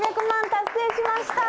達成しましたー！